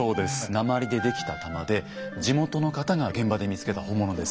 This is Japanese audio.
鉛で出来た玉で地元の方が現場で見つけた本物です。